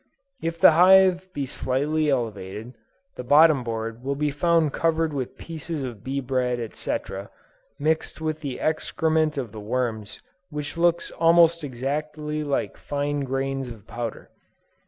If the hive be slightly elevated, the bottom board will be found covered with pieces of bee bread, &c. mixed with the excrement of the worms which looks almost exactly like fine grains of powder.